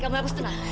kamu harus tenang